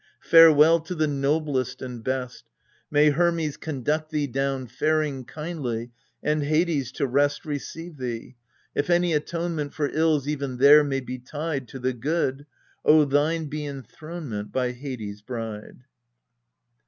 Farewell to the noblest and best ! May Hermes conduct thee down faring Kindly, and Hades to rest Receive thee ! If any atonement For ills even there may betide . To the good, O thine be enthronement By Hades' bride